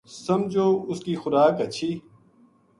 سمجھو اُس کی خوراک ہچھی